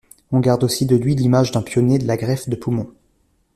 On garde aussi de lui l’image d’un pionnier de la greffe de poumons.